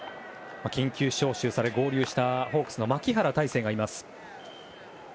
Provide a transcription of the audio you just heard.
緊急招集され合流したホークスの牧原大成がいます。